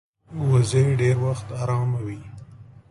وزې ډېر وخت آرامه وي